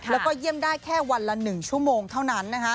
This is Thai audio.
แล้วก็เยี่ยมได้แค่วันละ๑ชั่วโมงเท่านั้น